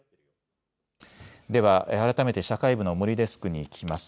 では改めて社会部の森デスクに聞きます。